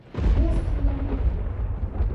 Во з кім я вып'ю!